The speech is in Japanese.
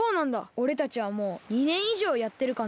おれたちはもう２ねんいじょうやってるかな。